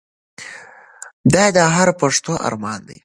دا د هر پښتون ارمان دی.